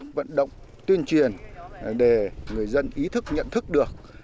công tác vận động tuyên truyền để người dân ý thức nhận thức được